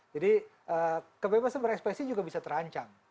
jadi kebebasan berekspresi juga bisa terancang